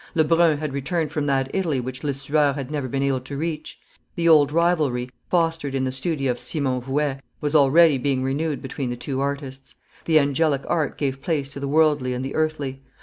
Lebrun had returned from that Italy which Lesueur had never been able to reach; the old rivalry, fostered in the studio of Simon Vouet, was already being renewed between the two artists; the angelic art gave place to the worldly and the earthly.